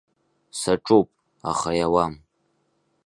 Саҿуп, аха иауам…